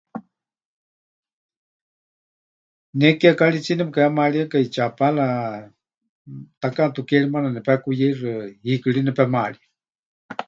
Ne kiekaritsíe nepɨkahemaríekai Chapala, eh, takáiʼaatu ke maana nepekuyeixɨa, hiikɨ ri nepemarie.